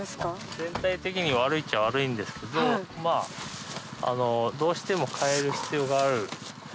全体的に悪いっちゃ悪いんですけどどうしても替える必要がある。